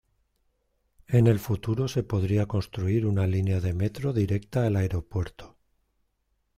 En el futuro se podría construir una línea de metro directa al aeropuerto.